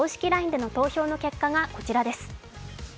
ＬＩＮＥでの投票の結果がこちらです。